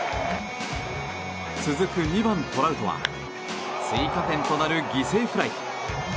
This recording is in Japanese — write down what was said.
続く２番、トラウトは追加点となる犠牲フライ。